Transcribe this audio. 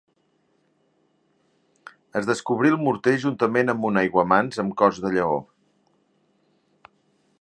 Es descobrí el morter juntament amb un aiguamans amb cos de lleó.